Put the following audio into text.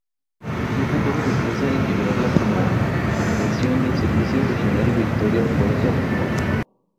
En un futuro se piensa integrarla como detención del servicio Regional Victoria-Puerto Montt